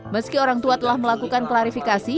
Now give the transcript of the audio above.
meski orang tua telah melakukan klarifikasi